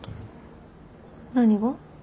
何が？